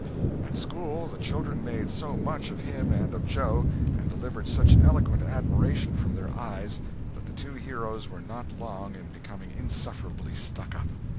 At school the children made so much of him and of Joe, and delivered such eloquent admiration from their eyes, that the two heroes were not long in becoming insufferably "stuck up."